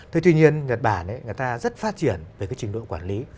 thế tuy nhiên nhật bản người ta rất phát triển về cái trình độ quản lý